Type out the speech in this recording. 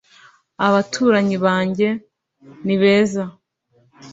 abaturanyi bange ni beza